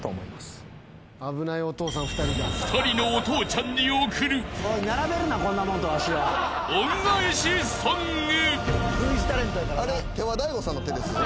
［２人のお父ちゃんに贈る恩返しソング］